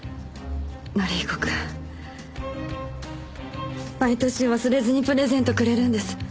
則彦くん毎年忘れずにプレゼントくれるんです。